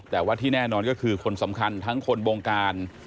แต่ว่าที่แน่นอนก็คือคนสำคัญทั้งคนบงการ